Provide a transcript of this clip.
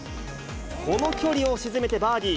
この距離を沈めてバーディー。